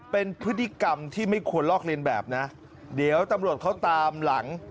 เป็นพฤติกรรมที่ไม่ควรลอกเรียนแบบนะเดี๋ยวตำรวจเขาตามหลัง